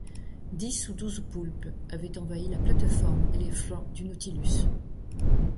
Dix ou douze poulpes avaient envahi la plate-forme et les flancs du Nautilus.